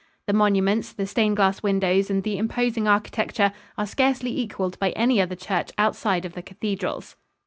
The monuments, the stained glass windows and the imposing architecture are scarcely equalled by any other church outside of the cathedrals.